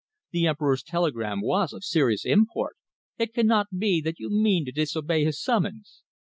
The Emperor's telegram was of serious import. It cannot be that you mean to disobey his summons?"